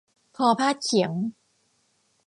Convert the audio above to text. คอพาดเขียง